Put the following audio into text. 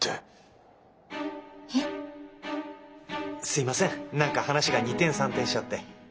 すいません何か話が二転三転しちゃって。